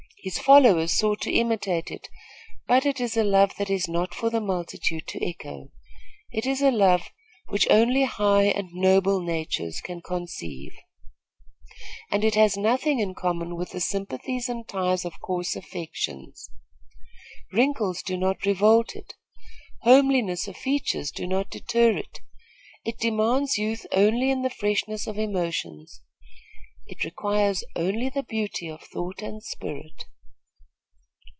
His followers sought to imitate it; but it is a love that is not for the multitude to echo. It is a love which only high and noble natures can conceive, and it has nothing in common with the sympathies and ties of coarse affections. Wrinkles do not revolt it. Homeliness of features do not deter it. It demands youth only in the freshness of emotions. It requires only the beauty of thought and spirit.